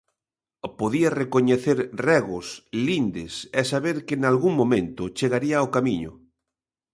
Podía recoñecer regos, lindes, e saber que nalgún momento chegaría ao camiño.